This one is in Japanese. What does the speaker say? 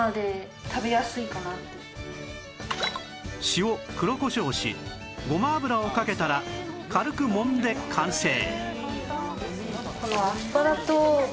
塩黒こしょうをしごま油をかけたら軽くもんで完成